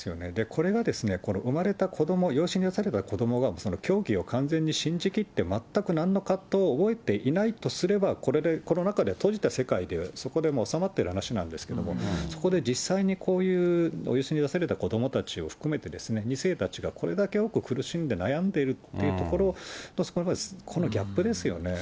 これが産まれた子ども、養子に出された子どもが教義を完全に信じ切って、全くなんの葛藤を覚えていないとすれば、これで、この中で閉じた世界で、そこで収まってる話なんですけれども、そこで実際にこういう養子に出された子どもたちを含めて、２世たちがこれだけ多く苦しんで悩んでいるというところが、このギャップですよね。